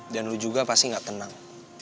dan lo juga pasti enggak tenang